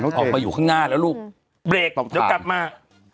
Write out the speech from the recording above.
โอเคออกมาอยู่ข้างหน้าแล้วลูกเบรกต่อเจ้ากลับมา